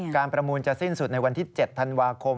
ประมูลจะสิ้นสุดในวันที่๗ธันวาคม